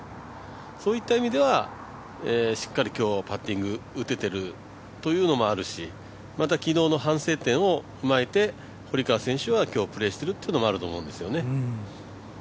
そういった意味ではしっかり今日、パッティング打ててるというのもあるし、また、昨日の反省点を踏まえて堀川選手は今日プレーしているっていうのもあると思うんですね。